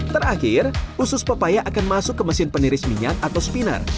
terakhir usus pepaya akan masuk ke mesin peniris minyak atau spinner